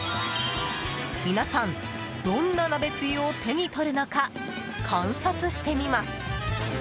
皆さんどんな鍋つゆを手にとるのか観察してみます。